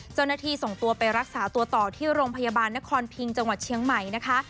เจ้าหน้าที่ส่งตัวไปรักษาตัวต่อที่โรงพยาบาลนครพิงจังหวัดเชียงใหม่นะคะ